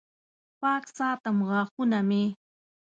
پاک ساتم غاښونه مې